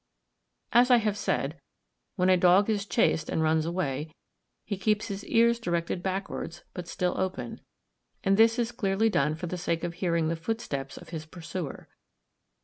As I have said, when a dog is chased and runs away, he keeps his ears directed backwards but still open; and this is clearly done for the sake of hearing the footsteps of his pursuer.